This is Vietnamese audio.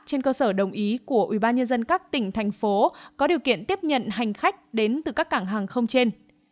trên cơ sở đồng ý của ubnd các tỉnh thành phố có điều kiện tiếp nhận hành khách đến từ các cảng hàng không trên